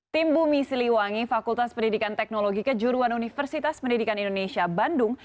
tim bumi siliwangi fakultas pendidikan teknologi kejuruan universitas pendidikan indonesia bandung